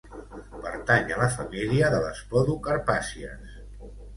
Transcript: Pertany a la família de les podocarpàcies.